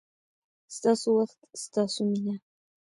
ستاسو وخت، ستاسو مینه